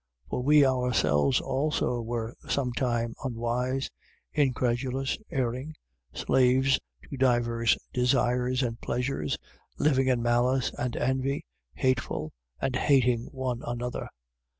3:3. For we ourselves also were some time unwise, incredulous, erring, slaves to divers desires and pleasures, living in malice and envy, hateful and hating one another.